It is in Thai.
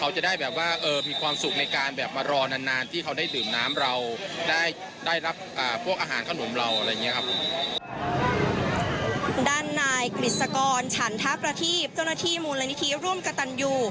เจ้าหน้าที่มูลละนิษฐ์ร่วมกับกะตัญญู